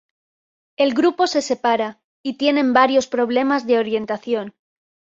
El grupo se separa y tienen varios problemas de orientación.